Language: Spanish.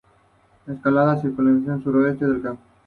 Escalada, circunvalación suroeste del cantero sobre la Av.